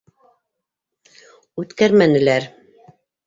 Үткәрмәнеләр.